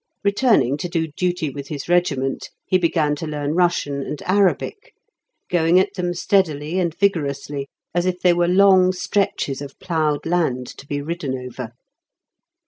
Returning to do duty with his regiment, he began to learn Russian and Arabic, going at them steadily and vigorously, as if they were long stretches of ploughed land to be ridden over.